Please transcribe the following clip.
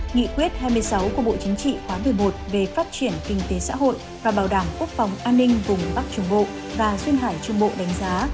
nghị quyết hai mươi sáu của bộ chính trị khóa một mươi một về phát triển kinh tế xã hội và bảo đảm quốc phòng an ninh vùng bắc trung bộ và duyên hải trung bộ đánh giá